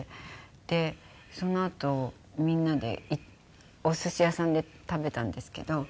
でそのあとみんなでおすし屋さんで食べたんですけど。